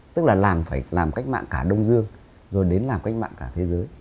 tức là làm phải làm cách mạng cả đông dương rồi đến làm cách mạng cả thế giới